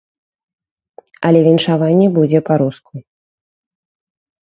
Але віншаванне будзе па-руску.